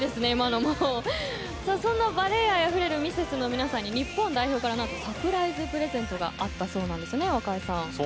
そんなバレー愛あふれるミセスの皆さんから日本代表からサプライズプレゼントがあったそうなんですね、若井さん。